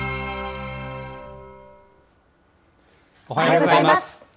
おはようございます。